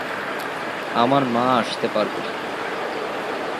আমার মা আসতে পারবে না।